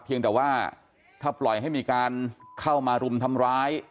เพียงแต่ว่าถ้าปล่อยให้มีการเข้ามารุมทำร้าย